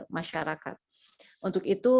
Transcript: masyarakat untuk itu